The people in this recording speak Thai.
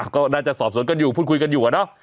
ก็น่าจะสอบสวนกันอยู่พูดคุยกันอยู่อะเนาะ